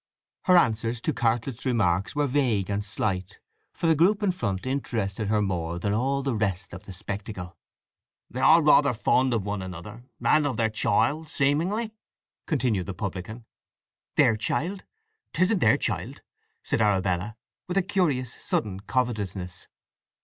Her answers to Cartlett's remarks were vague and slight, for the group in front interested her more than all the rest of the spectacle. "They are rather fond of one another and of their child, seemingly," continued the publican. "Their child! 'Tisn't their child," said Arabella with a curious, sudden covetousness.